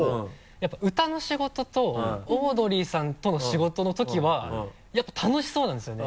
やっぱ歌の仕事とオードリーさんとの仕事のときはやっぱ楽しそうなんですよね